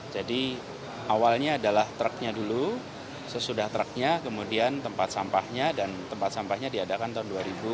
awalnya adalah truknya dulu sesudah truknya kemudian tempat sampahnya dan tempat sampahnya diadakan tahun dua ribu